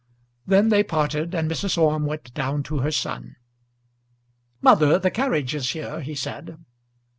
Then they parted, and Mrs. Orme went down to her son. "Mother, the carriage is here," he said.